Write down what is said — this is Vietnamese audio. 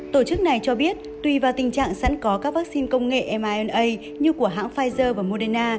tổ chức này cho biết tùy vào tình trạng sẵn có các vaccine công nghệ myna như của hãng pfizer và moderna